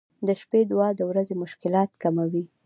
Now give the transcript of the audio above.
• د شپې دعا د ورځې مشکلات کموي.